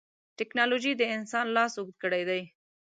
ټکنالوجي د انسان لاس اوږد کړی دی.